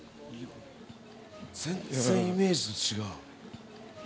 全然イメージと違う。